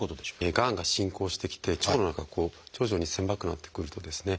がんが進行してきて腸の中が徐々に狭くなってくるとですね